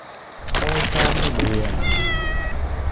玻璃心，你冇嘢啊？